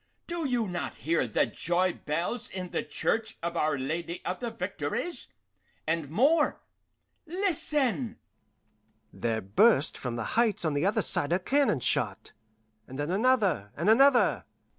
Do you not hear the joy bells in the Church of Our Lady of the Victories? and more listen!" There burst from the Heights on the other side a cannon shot, and then another and another.